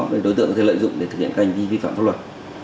để đối tượng có thể lợi dụng để thực hiện các hành vi vi phạm pháp luật